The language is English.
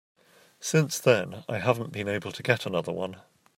Since then I haven't been able to get another one.